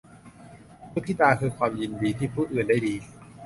มุทิตาคือความยินดีที่ผู้อื่นได้ดี